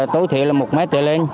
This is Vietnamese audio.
tối thiện là một m để lên